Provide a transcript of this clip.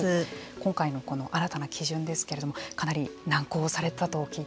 今回のこの新たな基準ですけれどもかなり難航されたと聞いていますが。